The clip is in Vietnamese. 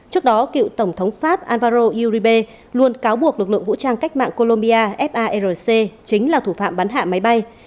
trước đó cựu tổng thống pháp alvaro uribe luôn cáo buộc lực lượng vũ trang cách mạng columbia farc chính là thủ phạm bắn hạ máy bay